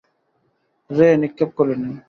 রে নিক্ষেপ করিলেন।